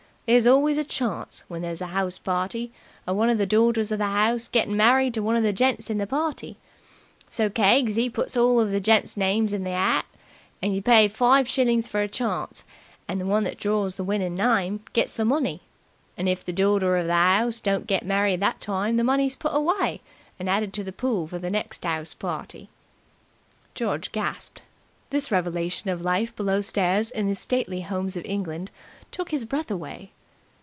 There's always a chance, when there's a 'ouse party, of one of the dorters of the 'ouse gettin' married to one of the gents in the party, so Keggs 'e puts all of the gents' names in an 'at, and you pay five shillings for a chance, and the one that draws the winning name gets the money. And if the dorter of the 'ouse don't get married that time, the money's put away and added to the pool for the next 'ouse party." George gasped. This revelation of life below stairs in the stately homes of England took his breath away.